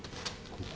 ここ。